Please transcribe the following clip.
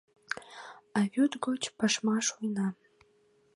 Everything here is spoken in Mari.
А вӱд гоч пашма шуйна.